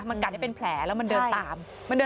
มันกัดให้เป็นแผลแล้วมันเดินตาม